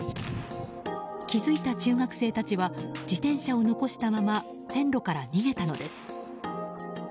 気づいた中学生たちは自転車を残したまま線路から逃げたのです。